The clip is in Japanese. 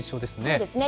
そうですね。